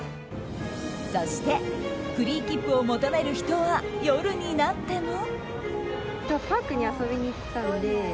そしてフリーきっぷを求める人は夜になっても。